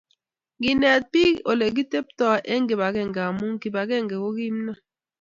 Nginet bik Ole kiteptoi eng kibagenge amu kibagenge ko kimnon